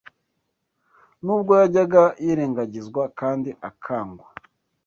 nubwo yajyaga yirengagizwa kandi akangwa